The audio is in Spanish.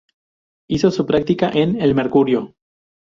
Hizo su práctica en "El Mercurio".